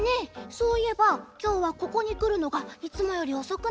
そういえばきょうはここにくるのがいつもよりおそくなかった？